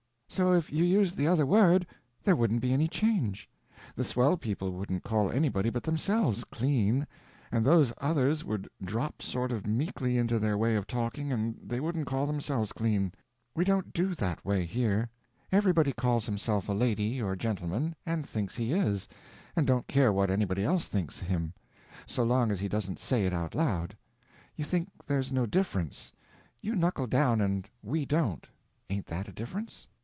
"So if you used the other word there wouldn't be any change. The swell people wouldn't call anybody but themselves 'clean,' and those others would drop sort of meekly into their way of talking and they wouldn't call themselves clean. We don't do that way here. Everybody calls himself a lady or gentleman, and thinks he is, and don't care what anybody else thinks him, so long as he don't say it out loud. You think there's no difference. You knuckle down and we don't. Ain't that a difference?"